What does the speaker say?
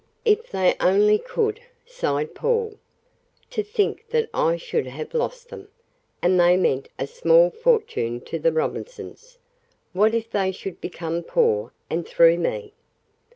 "If they only could," sighed Paul. "To think that I should have lost them! And they meant a small fortune to the Robinsons. What if they should become poor, and through me!"